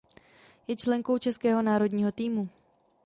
Je členkou českého národního týmu.